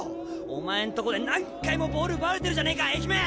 お前んとこで何回もボール奪われてるじゃねえか愛媛！